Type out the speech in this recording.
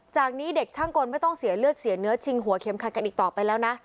จากนี้เด็กช่างกลไม่ต้องเสียเลือดเสียเนื้อชิงหัวเข็มขัดกันอีกต่อไปแล้วนะ